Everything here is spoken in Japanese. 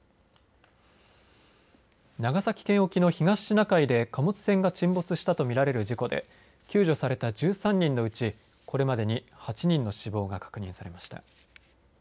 長崎県沖の東シナ海で貨物船が沈没したと見られる事故で救助された１３人のうちこれまでに８人の死亡が確認されました。